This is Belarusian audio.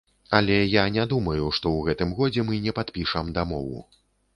Але я не думаю, што ў гэтым годзе мы не падпішам дамову.